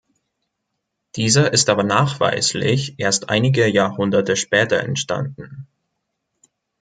Dieser ist aber nachweislich erst einige Jahrhunderte später entstanden.